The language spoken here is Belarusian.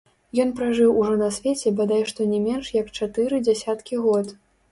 Ён пражыў ужо на свеце бадай што не менш як чатыры дзесяткі год.